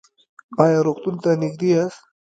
ایا روغتون ته نږدې یاست؟